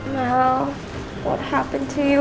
mel apa yang terjadi